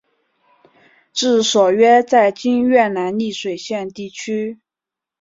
治所约在今越南丽水县地区。